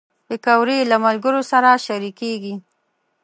پکورې له ملګرو سره شریکېږي